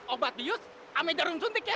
obat bius ama jarum suntik ya